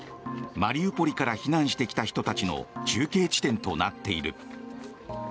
マリウポリから避難してきた人たちの中継地点となっている。